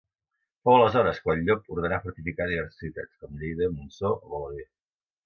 Fou aleshores quan Llop ordenà fortificar diverses ciutats, com Lleida, Montsó o Balaguer.